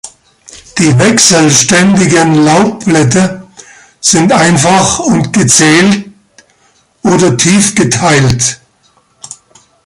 Die wechselständigen Laubblätter sind einfach und gezähnt oder tief geteilt.